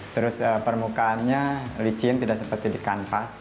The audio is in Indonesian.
terus permukaannya licin tidak seperti di kanvas